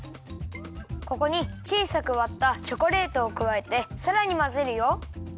ここにちいさくわったチョコレートをくわえてさらにまぜるよ。